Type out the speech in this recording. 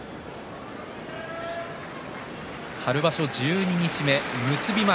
春場所十二日目、結び前。